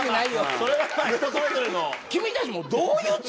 それはまあ人それぞれの。